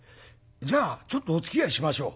じゃあちょっとおつきあいしましょう」。